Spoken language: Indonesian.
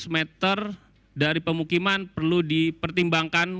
lima ratus meter dari pemukiman perlu dipertimbangkan